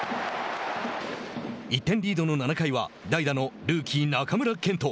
１点リードの７回は代打のルーキー中村健人。